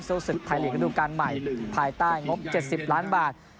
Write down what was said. สู้สุดท้ายเหลียดกระดูกการใหม่ภายใต้งบเจ็ดสิบล้านบาท